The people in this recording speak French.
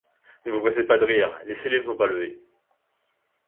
Ne vous pressez pas de rire, les scellés ne sont pas levés.